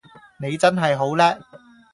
你真係好叻!